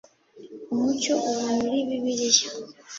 umucyo uva muri Bibiliya